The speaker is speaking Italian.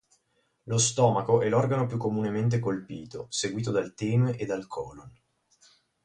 Lo stomaco è l'organo più comunemente colpito, seguito dal tenue e dal colon.